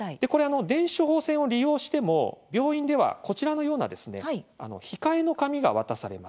電子処方箋を利用しても病院では、こちらのような控えの紙が渡されます。